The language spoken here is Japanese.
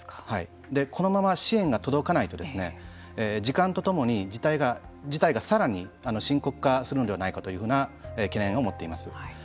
このまま支援が届かないと時間とともに事態がさらに深刻化するんではないかというふうな懸念を持っています。